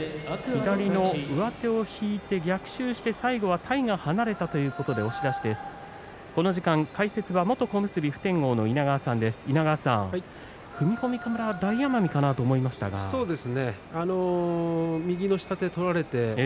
左の上手を引いて逆襲して最後は体が離れたということで押し出しという決まり手です。